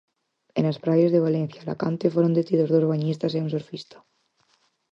E nas praias de Valencia e Alacante foron detidos dous bañistas e un surfista.